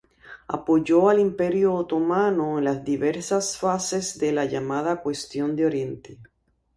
Apoyó al Imperio otomano en las diversas fases de la llamada cuestión de Oriente.